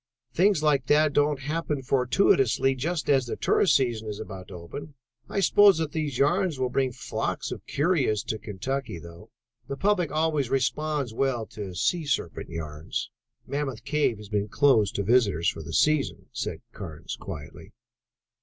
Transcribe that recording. Things like that don't happen fortuitously just as the tourist season is about to open. I suppose that those yarns will bring flocks of the curious to Kentucky though: the public always responds well to sea serpent yarns." "Mammoth Cave has been closed to visitors for the season," said Carnes quietly.